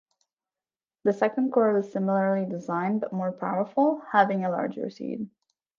The second core was similarly designed but more powerful, having a larger seed.